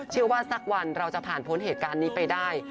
สักวันเราจะผ่านพ้นเหตุการณ์นี้ไปได้